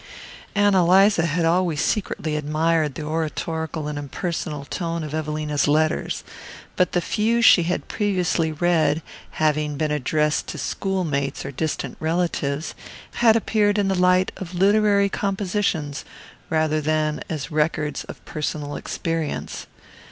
Ann Eliza had always secretly admired the oratorical and impersonal tone of Evelina's letters; but the few she had previously read, having been addressed to school mates or distant relatives, had appeared in the light of literary compositions rather than as records of personal experience.